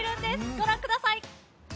ご覧ください。